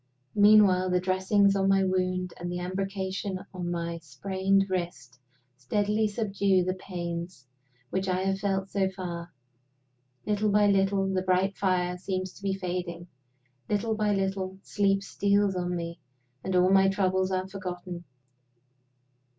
Meanwhile the dressings on my wound and the embrocation on my sprained wrist steadily subdue the pains which I have felt so far. Little by little, the bright fire seems to be fading. Little by little, sleep steals on me, and all my troubles are forgotten.